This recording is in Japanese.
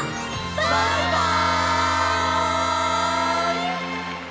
バイバイ！